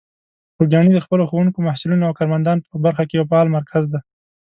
خوږیاڼي د خپلو ښوونکو، محصلینو او کارمندان په برخه کې یو فعال مرکز دی.